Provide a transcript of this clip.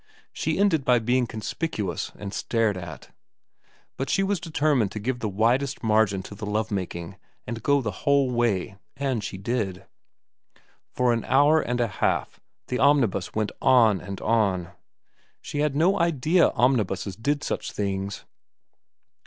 She ended by being conspicuous and stared at. But she was determined to give the widest margin to the love making and go the whole way, and she did. For an hour and a half the omnibus went on and on. She had no idea omnibuses did such things.